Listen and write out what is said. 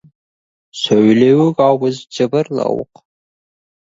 Сөйлеуік ауыз — жыбырлауық.